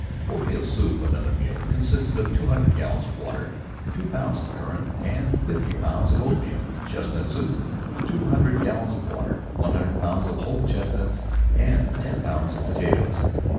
Oatmeal soup, another meal, consisted of two hundred gallons of water, two pounds of currants and fifty pounds of oatmeal; chestnut soup, two hundred gallons of water, one hundred pounds of whole chestnuts and ten pounds of potatoes.